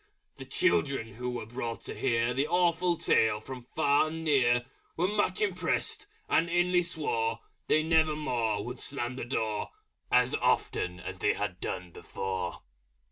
The children who were brought to hear The awful Tale from far and near Were much impressed, and inly swore They never more would slam the Door. As often they had done before.